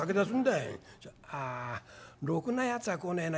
あろくなやつは来ねえな。